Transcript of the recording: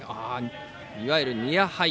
いわゆるニアハイ。